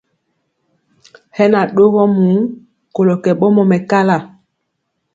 Hɛ na ɗogɔ muu kolɔ kɛ ɓɔmɔ mɛkala.